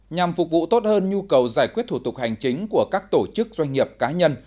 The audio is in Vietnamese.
nhằm phục vụ tốt hơn nhu cầu giải quyết thủ tục hành chính của các tổ chức doanh nghiệp cá nhân